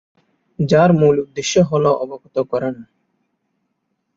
যার মূল উদ্দেশ্য হল অবগত করানো।